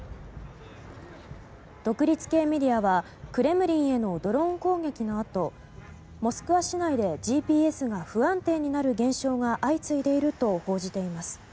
独立系メディアはクレムリンへのドローン攻撃のあとモスクワ市内でＧＰＳが不安定になる現象が相次いでいると報じています。